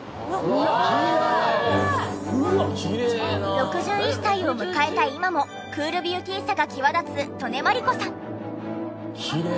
６１歳を迎えた今もクールビューティーさが際立つ刀根麻理子さん。